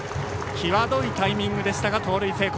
際どいタイミングでしたが盗塁成功。